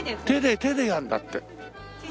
手で手でやるんだって。